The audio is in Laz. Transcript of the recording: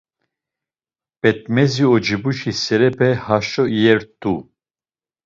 P̌et̆mezi ocibuşi serepe haşo iyert̆u.